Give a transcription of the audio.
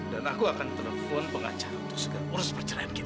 dan aku akan telepon pengacara untuk segera urus perceraian kita